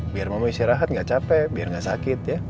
biar mama istirahat gak capek